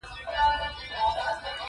چترۍ را واخله